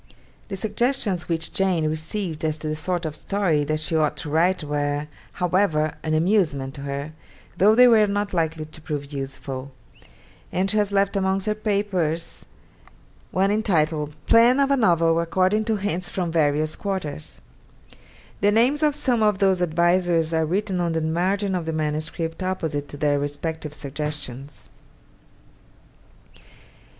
The suggestions which Jane received as to the sort of story that she ought to write were, however, an amusement to her, though they were not likely to prove useful; and she has left amongst her papers one entitled, 'Plan of a novel according to hints from various quarters.' The names of some of those advisers are written on the margin of the manuscript opposite to their respective suggestions.